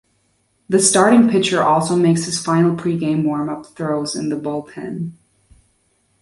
The starting pitcher also makes his final pregame warm-up throws in the bullpen.